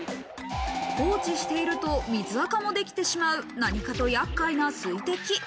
放置していると水垢もできてしまう何かと厄介な水滴。